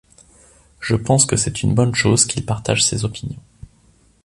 Je pense que c'est une bonne chose qu'il partage ces opinions.